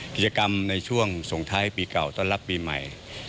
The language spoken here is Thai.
กิจกรรมในช่วงส่งท้ายปีเก่าต้อนรับปีใหม่